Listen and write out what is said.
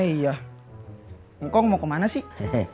eh iya ngkong mau kemana sih